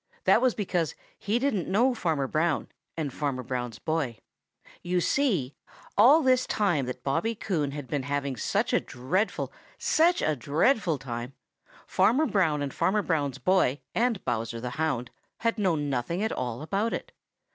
That was because he didn't know Farmer Brown and Farmer Brown's boy. You see, all this time that Bobby Coon had been having such a dreadful, such a very dreadful time, Farmer Brown and Farmer Brown's boy and Bowser the Hound had known nothing at all about it.